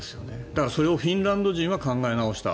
だからそれをフィンランド人は考え直した。